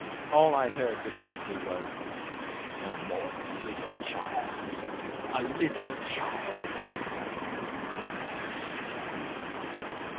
All I heard distinctly was, "No more than a little child a little child."